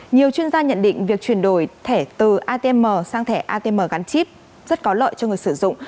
nhiều chuyên gia nhận định việc chuyển đổi thẻ từ atm sang thẻ atm gắn chip rất có lợi cho người sử dụng